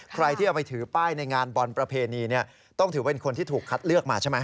ใครที่เอาไปถือป้ายในงานบอลประเพณีต้องถือเป็นคนที่ถูกคัดเลือกมาใช่ไหม